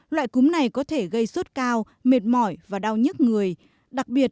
loại cúm này có thể gây suốt cao mệt mỏi và đau nhức người